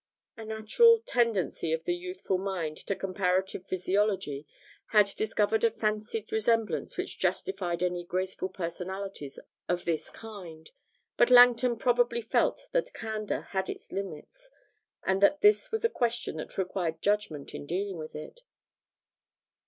A natural tendency of the youthful mind to comparative physiology had discovered a fancied resemblance which justified any graceful personalities of this kind; but Langton probably felt that candour had its limits, and that this was a question that required judgment in dealing with it.